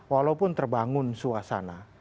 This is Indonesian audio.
walaupun terbangun suasana